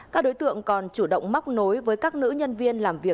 các đối tượng còn chủ động móc nối với các nữ nhân viên làm việc